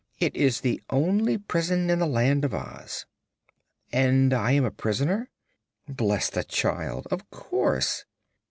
"It is the only prison in the Land of Oz." "And am I a prisoner?" "Bless the child! Of course."